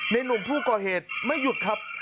หนุ่มผู้ก่อเหตุไม่หยุดครับ